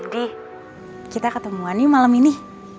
di kita ketemu ani malam ini